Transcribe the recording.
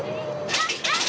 あっあっ！